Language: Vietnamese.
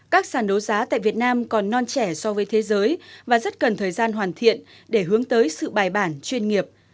các sản đấu giá tại việt nam còn non trẻ so với thế giới và rất cần thời gian hoàn thiện để hướng tới sự bài bản chuyên nghiệp